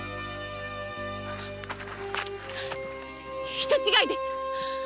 人違いです！